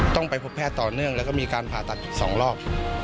ต้องไปพบแพทย์ต่อเนื่องแล้วก็มีการผ่าตัด๒รอบ